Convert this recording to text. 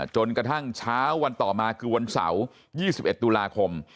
จนกระทั่งเช้าวันต่อมาคือวันเสาร์๒๑ตุลาคม